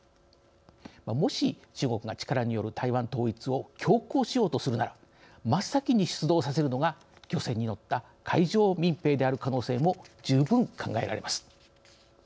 もし、中国が力による台湾統一を強行しようとするなら真っ先に出動させるのが漁船に乗った海上民兵である可能性も十分考えられます。